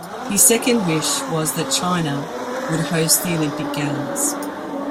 His second wish was that China would host the Olympic Games.